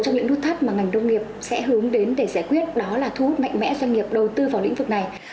trong những nút thắt mà ngành nông nghiệp sẽ hướng đến để giải quyết đó là thu hút mạnh mẽ doanh nghiệp đầu tư vào lĩnh vực này